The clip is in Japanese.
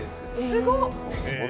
すごっ！